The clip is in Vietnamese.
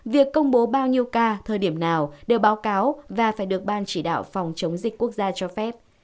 việc công bố bao nhiêu ca thời điểm nào đều báo cáo và phải được ban chỉ đạo phòng chống dịch quốc gia cho phép